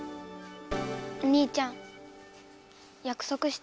お兄ちゃんやくそくして。